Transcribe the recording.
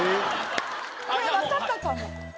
これわかったかも！